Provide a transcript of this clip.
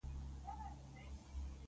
دا به دلچسپه وي.